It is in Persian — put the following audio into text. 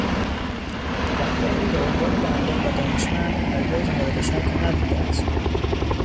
تبحر او به عنوان معلم و دانشمند هرگز مورد شک نبوده است.